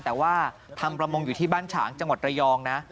แต่ว่าทำประมงอยู่ที่บ้านฉางจังหวัดระยองนะ